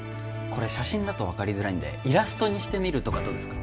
これ写真だと分かりづらいんでイラストにしてみるとかどうですか？